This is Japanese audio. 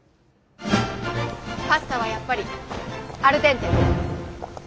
パスタはやっぱりアルデンテ。